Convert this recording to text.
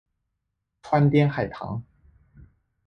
川滇海棠